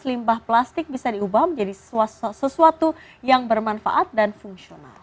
limbah plastik bisa diubah menjadi sesuatu yang bermanfaat dan fungsional